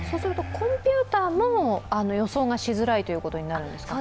コンピューターも予想がしづらいということになるんですか？